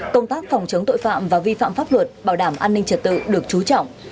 công tác phòng chống tội phạm và vi phạm pháp luật bảo đảm an ninh trật tự được trú trọng